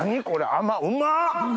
甘っうまっ！